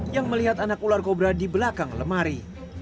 yang melihat anak ular kobra di belakang lemari